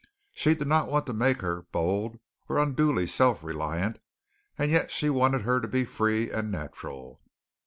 She did not want to make her bold or unduly self reliant, and yet she wanted her to be free and natural.